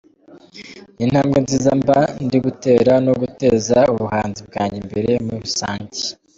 Ni intambwe nziza mba ndi gutera no guteza ubuhanzi bwanjye imbere muri rusange.